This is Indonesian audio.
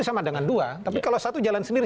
sama dengan dua tapi kalau satu jalan sendiri